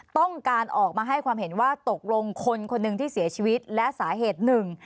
ต้องการออกมาให้ความเห็นว่าตกลงคนคนหนึ่งที่เสียชีวิตและสาเหตุหนึ่ง